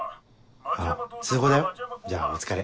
あっ通報だよじゃあお疲れ。